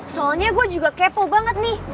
soalnya gue juga kepo banget nih